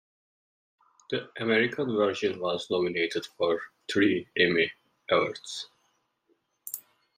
The American version was nominated for three Emmy Awards.